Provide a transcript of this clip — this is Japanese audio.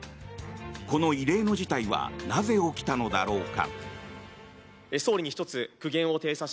この異例の事態はなぜ起きたのだろうか。